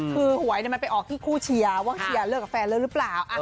คือหวยมันไปออกที่คู่เชียร์ว่าเชียร์เลิกกับแฟนแล้วหรือเปล่า